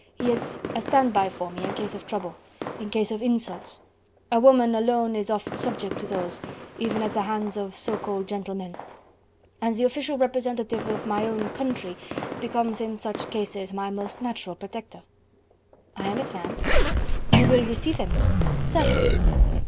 He is a stand by for me in case of trouble... in case of insults... A woman alone is oft subject to those, even at the hands of so called gentlemen... and the official representative of my own country becomes in such cases my most natural protector." "I understand." "You will receive him?" "Certainly."